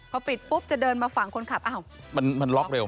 พอปิดปุ๊บจะเดินมาฝั่งคนขับอ้าว